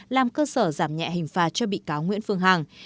làm cơ sở giảm nhẹ hình phạt cho bị cáo nguyễn phương hằng